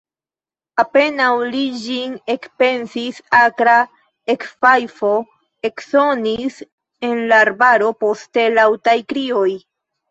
Apenaŭ li ĝin ekpensis, akra ekfajfo eksonis en la arbaro, poste laŭtaj krioj.